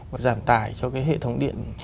và giảm tải cho cái hệ thống điện